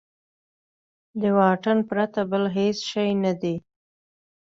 د واټن پرته بل هېڅ شی نه دی.